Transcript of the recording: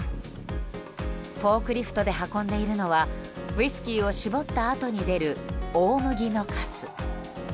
フォークリフトで運んでいるのはウィスキーを搾ったあとに出る大麦のかす。